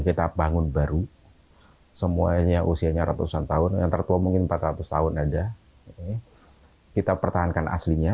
kita bangun baru semuanya usianya ratusan tahun yang tertua mungkin empat ratus tahun ada kita pertahankan aslinya